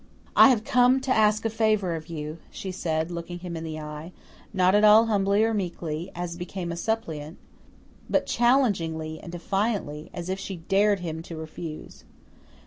"I have come to ask a favour of you," she said, looking him in the eye, not at all humbly or meekly, as became a suppliant, but challengingly and defiantly, as if she dared him to refuse.